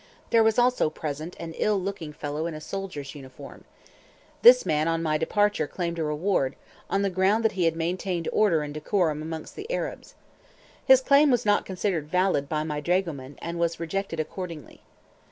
There was also present an ill looking fellow in soldier's uniform. This man on my departure claimed a reward, on the ground that he had maintained order and decorum amongst the Arabs. His claim was not considered valid by my dragoman, and was rejected accordingly.